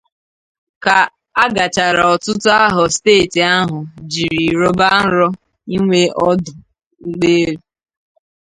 ka ọ gachaara ọtụtụ ahọ steeti ahụ jiri rọba nrọ inwe ọdụ ụgbọelu